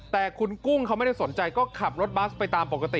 แต่คุณกุ้งเขาไม่ได้สนใจก็ขับรถบัสไปตามปกติ